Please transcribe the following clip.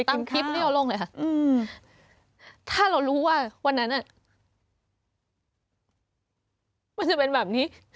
ตามคลิปที่เราลงเลยค่ะถ้าเรารู้ว่าวันนั้นมันจะเป็นแบบนี้